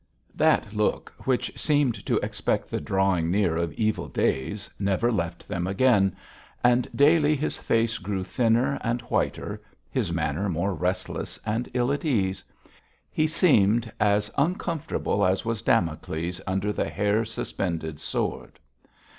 That look which seemed to expect the drawing near of evil days never left them again, and daily his face grew thinner and whiter, his manner more restless and ill at ease. He seemed as uncomfortable as was Damocles under the hair suspended sword.